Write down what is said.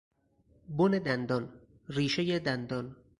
بن دندان، ریشهی دندان